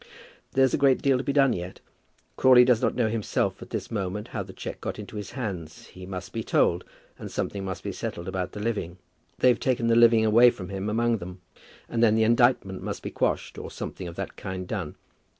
"There's a great deal to be done yet. Crawley does not know himself at this moment how the cheque got into his hands. He must be told, and something must be settled about the living. They've taken the living away from him among them. And then the indictment must be quashed, or something of that kind done.